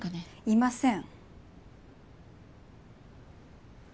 いません。